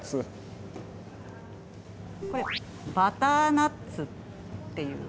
これバターナッツっていう。